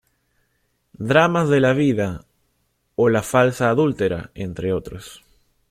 Dramas de la vida" o "La falsa adúltera", entre otros.